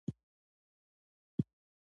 رسۍ یو خاموش خدمتګار دی.